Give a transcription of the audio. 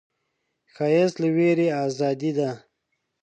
ښایست له ویرې ازادي ده